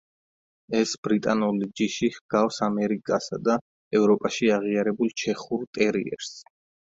ეს ბრიტანული ჯიში ჰგავს ამერიკასა და ევროპაში აღიარებულ ჩეხურ ტერიერს.